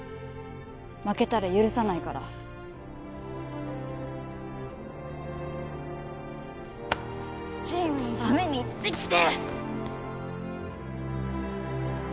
負けたら許さないからチームのためにいってきて！